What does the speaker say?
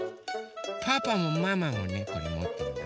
パパもママもねこれもってるよ。